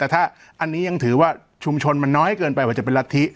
แต่ถ้าอันนี้ยังถือว่าชุมชนมันน้อยเกินไปกว่าจะเป็นรัฐธิ